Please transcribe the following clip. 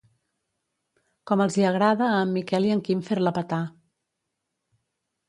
Com els hi agrada a en Miquel i en Quim fer-la petar.